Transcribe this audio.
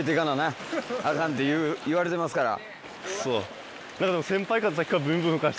アカンって言われてますから。